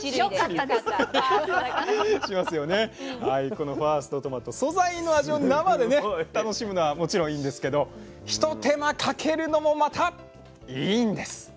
はいこのファーストトマト素材の味を生でね楽しむのはもちろんいいんですけど一手間かけるのもまたいいんです。